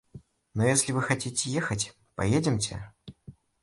Но если вы хотите ехать, поедемте!